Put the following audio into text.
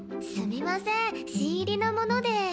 すみません新入りなもので。